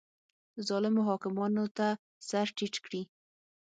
ظالمو حاکمانو ته سر ټیټ کړي